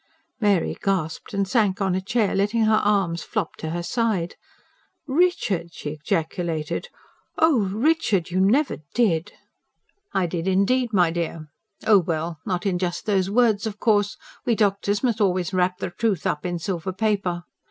Mary gasped and sank on a chair, letting her arms flop to her side. "Richard!" she ejaculated. "Oh, Richard, you never did!" "I did indeed, my dear. Oh well, not in just those words, of course; we doctors must always wrap the truth up in silver paper.